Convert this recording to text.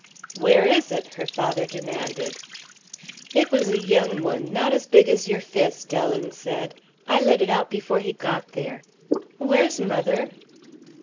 "Where is it?" her father demanded. "It was a young one not as big as your fist," Ellen said. "I let it out before he got there. Where's mother?"